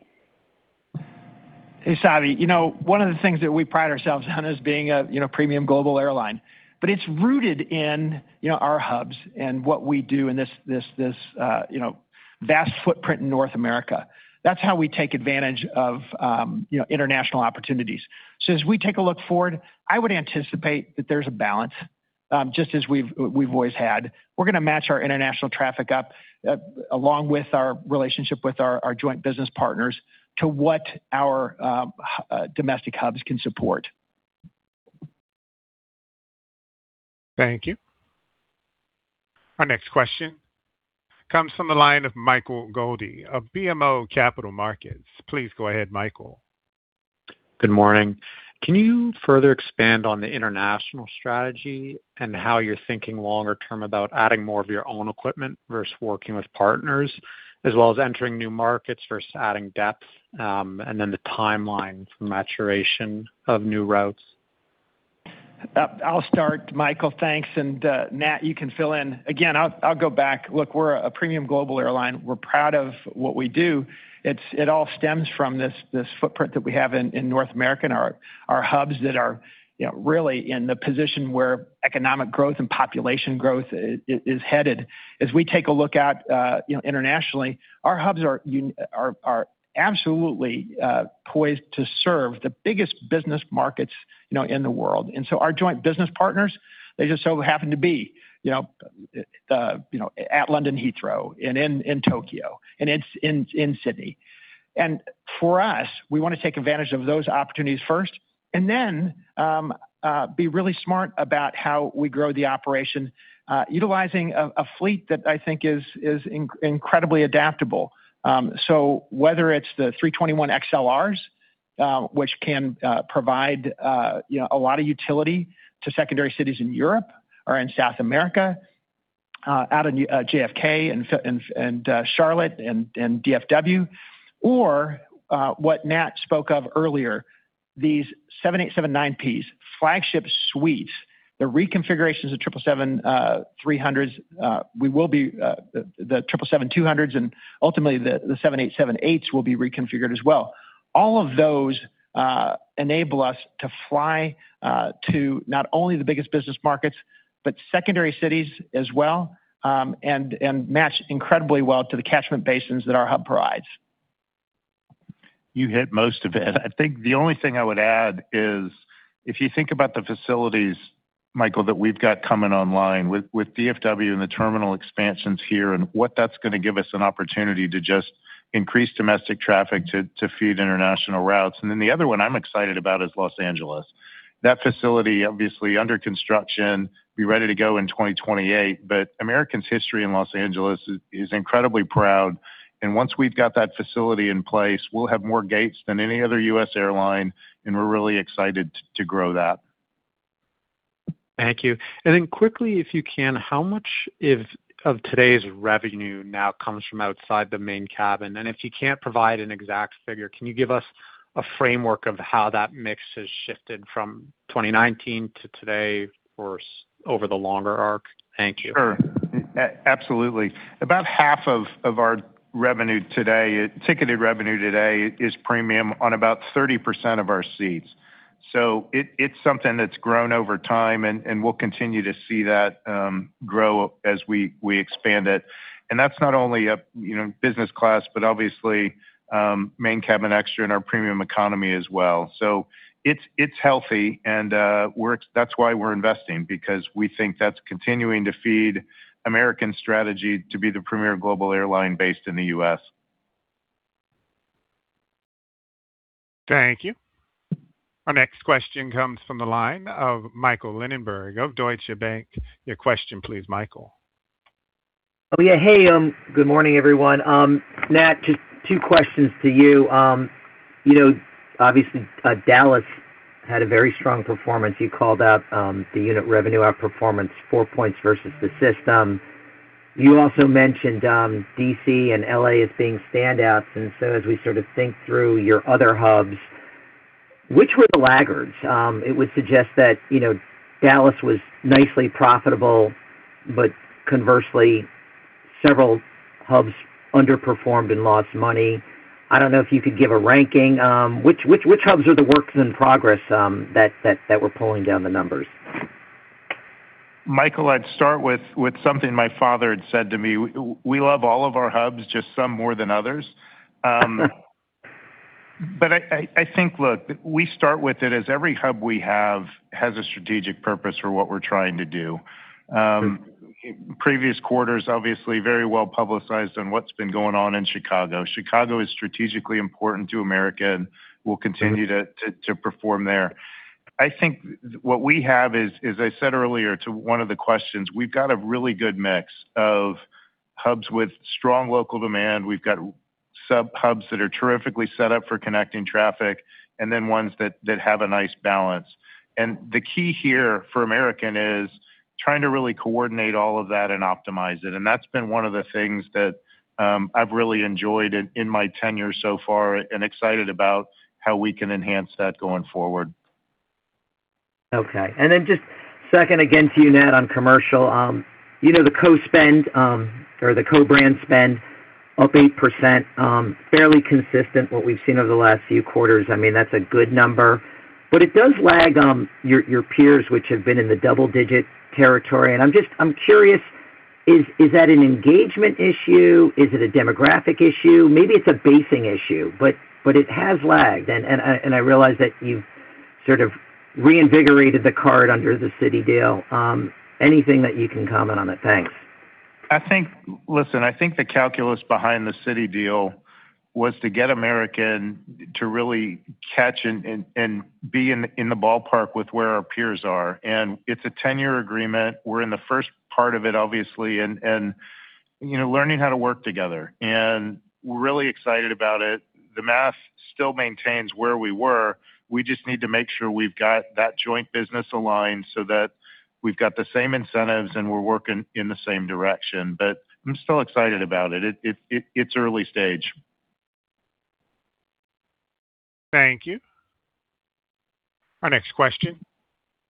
Speaker 3: Hey, Savi. One of the things that we pride ourselves on is being a premium global airline, but it's rooted in our hubs and what we do in this vast footprint in North America. That's how we take advantage of international opportunities. As we take a look forward, I would anticipate that there's a balance, just as we've always had. We're going to match our international traffic up, along with our relationship with our joint business partners, to what our domestic hubs can support.
Speaker 1: Thank you. Our next question comes from the line of Michael Goldie of BMO Capital Markets. Please go ahead, Michael.
Speaker 13: Good morning. Can you further expand on the international strategy and how you're thinking longer term about adding more of your own equipment versus working with partners, as well as entering new markets versus adding depth, and then the timeline for maturation of new routes?
Speaker 3: I'll start, Michael. Thanks. Nat, you can fill in. Again, I'll go back. Look, we're a premium global airline. We're proud of what we do. It all stems from this footprint that we have in North America and our hubs that are really in the position where economic growth and population growth is headed. As we take a look out internationally, our hubs are absolutely poised to serve the biggest business markets in the world. Our joint business partners, they just so happen to be at London Heathrow and in Tokyo and in Sydney. For us, we want to take advantage of those opportunities first and then be really smart about how we grow the operation, utilizing a fleet that I think is incredibly adaptable. Whether it's the A321XLRs, which can provide a lot of utility to secondary cities in Europe or in South America, out of JFK and Charlotte and DFW, or what Nat spoke of earlier, these 787-9P, Flagship Suite, the reconfigurations of 777-300ER. The 777-200ER and ultimately the 787-8s will be reconfigured as well. All of those enable us to fly to not only the biggest business markets but secondary cities as well, and match incredibly well to the catchment basins that our hub provides.
Speaker 4: You hit most of it. The only thing I would add is if you think about the facilities, Michael, that we've got coming online with DFW and the terminal expansions here and what that's going to give us an opportunity to just increase domestic traffic to feed international routes. The other one I'm excited about is Los Angeles. That facility, obviously under construction, be ready to go in 2028. American's history in Los Angeles is incredibly proud, and once we've got that facility in place, we'll have more gates than any other U.S. airline, we're really excited to grow that.
Speaker 13: Thank you. Quickly, if you can, how much of today's revenue now comes from outside Main Cabin? If you can't provide an exact figure, can you give us a framework of how that mix has shifted from 2019 to today or over the longer arc? Thank you.
Speaker 4: Sure. Absolutely. About half of our ticketed revenue today is premium on about 30% of our seats. It's something that's grown over time, and we'll continue to see that grow as we expand it. That's not only business class, but obviously Main Cabin Extra and our premium economy as well. It's healthy and that's why we're investing, because we think that's continuing to feed American's strategy to be the premier global airline based in the U.S.
Speaker 1: Thank you. Our next question comes from the line of Michael Linenberg of Deutsche Bank. Your question please, Michael.
Speaker 14: Yeah. Hey, good morning, everyone. Nat, two questions to you. Obviously, Dallas had a very strong performance. You called out the unit revenue outperformance 4 points versus the system. You also mentioned D.C. and L.A. as being standouts. As we sort of think through your other hubs, which were the laggards? It would suggest that Dallas was nicely profitable, but conversely, several hubs underperformed and lost money. I don't know if you could give a ranking. Which hubs are the works in progress that were pulling down the numbers?
Speaker 4: Michael, I'd start with something my father had said to me, "We love all of our hubs, just some more than others." I think, look, we start with it as every hub we have has a strategic purpose for what we're trying to do.
Speaker 14: Right.
Speaker 4: Previous quarters, obviously very well-publicized on what's been going on in Chicago. Chicago is strategically important to American Airlines and will continue to perform there. I think what we have is, as I said earlier to one of the questions, we've got a really good mix of hubs with strong local demand. We've got sub-hubs that are terrifically set up for connecting traffic, and then ones that have a nice balance. The key here for American is trying to really coordinate all of that and optimize it. That's been one of the things that I've really enjoyed in my tenure so far and excited about how we can enhance that going forward.
Speaker 14: Okay. Then just second again to you, Nat, on commercial. The co-brand spend up 8%, fairly consistent what we've seen over the last few quarters. That's a good number, but it does lag your peers, which have been in the double-digit territory. I'm curious, is that an engagement issue? Is it a demographic issue? Maybe it's a basing issue. It has lagged, and I realize that you've sort of reinvigorated the card under the Citi deal. Anything that you can comment on it? Thanks.
Speaker 4: Listen, I think the calculus behind the Citi deal was to get American to really catch and be in the ballpark with where our peers are. It's a 10-year agreement. We're in the first part of it, obviously, and learning how to work together. We're really excited about it. The math still maintains where we were. We just need to make sure we've got that joint business aligned so that we've got the same incentives and we're working in the same direction. I'm still excited about it. It's early stage.
Speaker 1: Thank you. Our next question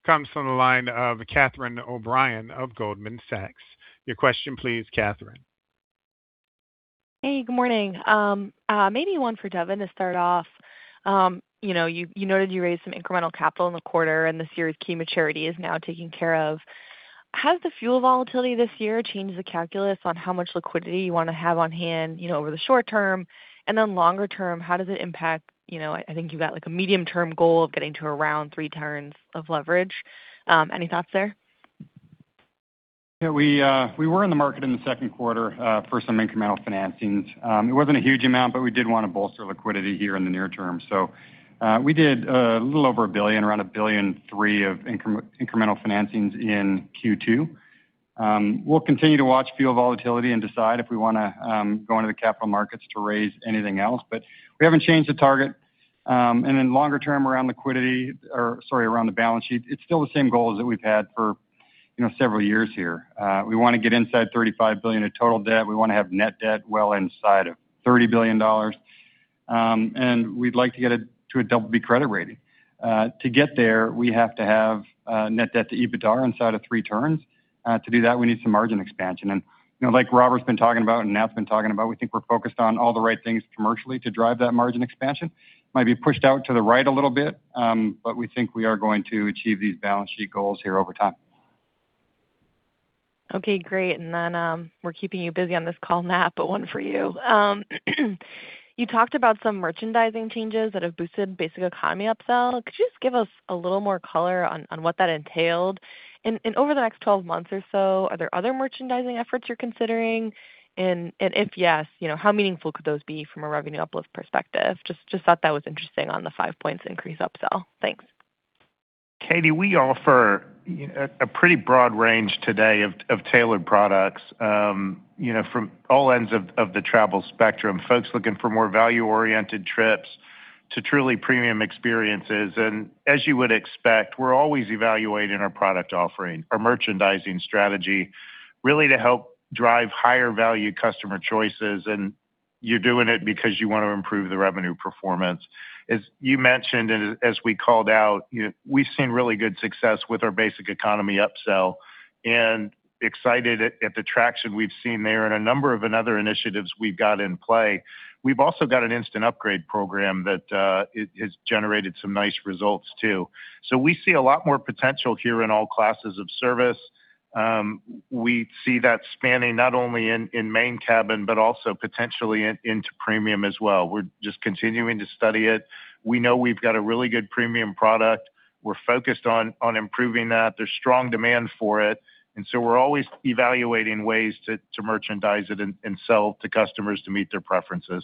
Speaker 1: comes from the line of Catherine O'Brien of Goldman Sachs. Your question please, Catherine.
Speaker 15: Hey, good morning. Maybe one for Devon to start off. You noted you raised some incremental capital in the quarter, and the Series K maturity is now taken care of. Has the fuel volatility this year changed the calculus on how much liquidity you want to have on hand over the short term? Longer term, how does it impact, I think you've got a medium-term goal of getting to around three turns of leverage. Any thoughts there?
Speaker 5: Yeah. We were in the market in the second quarter for some incremental financings. It wasn't a huge amount, but we did want to bolster liquidity here in the near term. We did a little over $1 billion, around $1.3 billion of incremental financings in Q2. We'll continue to watch fuel volatility and decide if we want to go into the capital markets to raise anything else. We haven't changed the target. Longer term around the balance sheet, it's still the same goals that we've had for several years here. We want to get inside $35 billion of total debt. We want to have net debt well inside of $30 billion. We'd like to get it to a BB credit rating. To get there, we have to have net debt to EBITDA inside of three turns. To do that, we need some margin expansion. Like Robert's been talking about and Nat's been talking about, we think we're focused on all the right things commercially to drive that margin expansion. Might be pushed out to the right a little bit, we think we are going to achieve these balance sheet goals here over time.
Speaker 15: Okay, great. We're keeping you busy on this call, Nat, one for you. You talked about some merchandising changes that have boosted basic economy upsell. Could you just give us a little more color on what that entailed? Over the next 12 months or so, are there other merchandising efforts you're considering? If yes, how meaningful could those be from a revenue uplift perspective? Just thought that was interesting on the 5 points increase upsell. Thanks.
Speaker 4: Catie, we offer a pretty broad range today of tailored products from all ends of the travel spectrum. Folks looking for more value-oriented trips to truly Premium experiences. As you would expect, we're always evaluating our product offering, our merchandising strategy, really to help drive higher-value customer choices. You're doing it because you want to improve the revenue performance. As you mentioned, and as we called out, we've seen really good success with our Basic Economy upsell, and excited at the traction we've seen there and a number of other initiatives we've got in play. We've also got an instant upgrade program that has generated some nice results, too. We see a lot more potential here in all classes of service. We see that spanning not only in Main Cabin, but also potentially into Premium as well. We're just continuing to study it. We know we've got a really good Premium product. We're focused on improving that. There's strong demand for it. We're always evaluating ways to merchandise it and sell to customers to meet their preferences.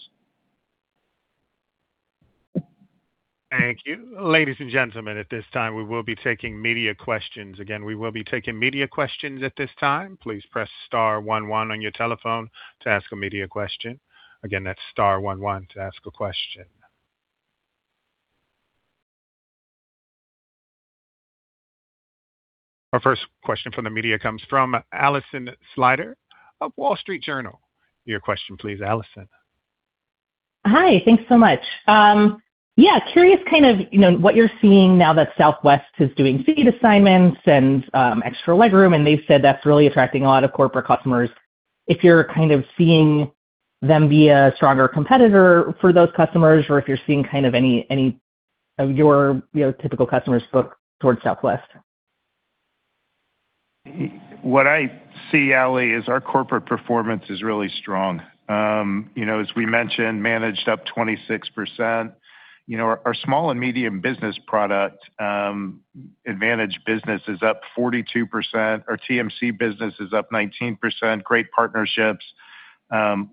Speaker 1: Thank you. Ladies and gentlemen, at this time, we will be taking media questions. Again, we will be taking media questions at this time. Please press star one one on your telephone to ask a media question. Again, that's star one one to ask a question. Our first question from the media comes from Alison Sider of Wall Street Journal. Your question please, Alison.
Speaker 16: Hi. Thanks so much. Yeah, curious what you're seeing now that Southwest is doing seat assignments and extra legroom. They said that's really attracting a lot of corporate customers. If you're kind of seeing them be a stronger competitor for those customers, or if you're seeing any of your typical customers book towards Southwest?
Speaker 4: What I see, Ally, is our corporate performance is really strong. As we mentioned, managed up 26%. Our small and medium business product, AAdvantage Business, is up 42%. Our TMC business is up 19%. Great partnerships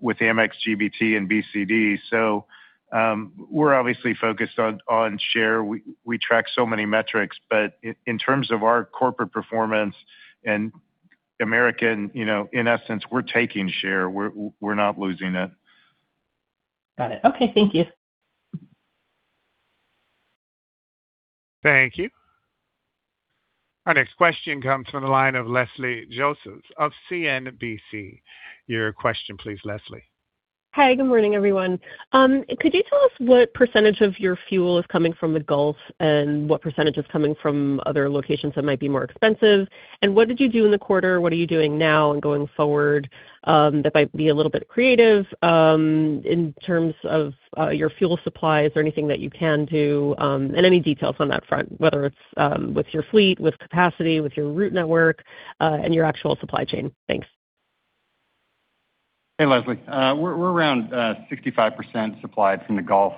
Speaker 4: with Amex GBT and BCD. We're obviously focused on share. We track so many metrics, but in terms of our corporate performance and American Airlines, in essence, we're taking share. We're not losing it.
Speaker 16: Got it. Okay. Thank you.
Speaker 1: Thank you. Our next question comes from the line of Leslie Josephs of CNBC. Your question please, Leslie.
Speaker 17: Hi. Good morning, everyone. Could you tell us what percentage of your fuel is coming from the Gulf, and what % is coming from other locations that might be more expensive? What did you do in the quarter? What are you doing now and going forward that might be a little bit creative in terms of your fuel supply? Is there anything that you can do? Any details on that front, whether it's with your fleet, with capacity, with your route network, and your actual supply chain. Thanks.
Speaker 5: Hey, Leslie. We're around 65% supplied from the Gulf.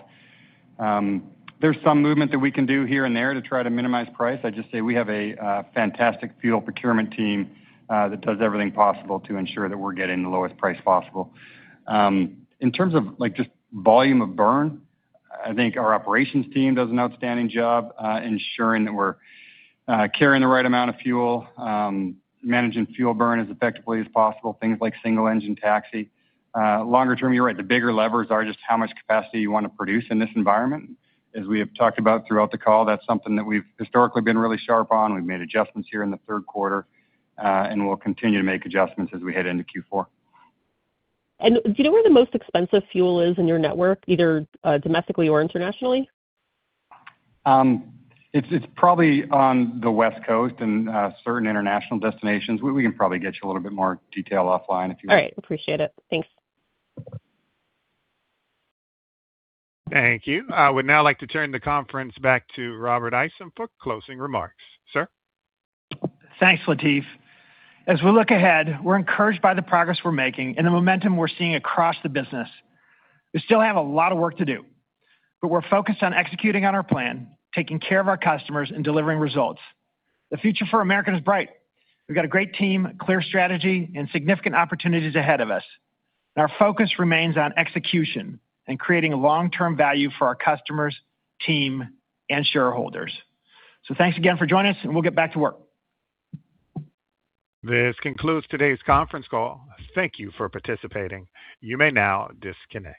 Speaker 5: There's some movement that we can do here and there to try to minimize price. I'd just say we have a fantastic fuel procurement team that does everything possible to ensure that we're getting the lowest price possible. In terms of just volume of burn, I think our operations team does an outstanding job ensuring that we're carrying the right amount of fuel, managing fuel burn as effectively as possible, things like single engine taxi. Longer term, you're right. The bigger levers are just how much capacity you want to produce in this environment. As we have talked about throughout the call, that's something that we've historically been really sharp on. We've made adjustments here in the third quarter, and we'll continue to make adjustments as we head into Q4.
Speaker 17: Do you know where the most expensive fuel is in your network, either domestically or internationally?
Speaker 5: It's probably on the West Coast and certain international destinations. We can probably get you a little bit more detail offline if you like.
Speaker 17: All right. Appreciate it. Thanks.
Speaker 1: Thank you. I would now like to turn the conference back to Robert Isom for closing remarks. Sir.
Speaker 3: Thanks, Latif. We look ahead, we're encouraged by the progress we're making and the momentum we're seeing across the business. We still have a lot of work to do, but we're focused on executing on our plan, taking care of our customers and delivering results. The future for American Airlines is bright. We've got a great team, clear strategy and significant opportunities ahead of us. Our focus remains on execution and creating long-term value for our customers, team, and shareholders. Thanks again for joining us, and we'll get back to work.
Speaker 1: This concludes today's conference call. Thank you for participating. You may now disconnect.